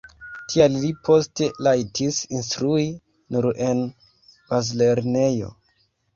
Tial li poste rajtis instrui nur en bazlernejo.